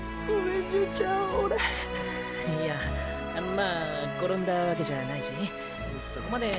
まぁ転んだわけじゃないしそこまでーー。